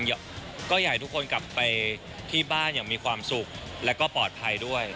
ก็อยากให้ทุกคนกลับไปที่บ้านอย่างมีความสุขแล้วก็ปลอดภัยด้วย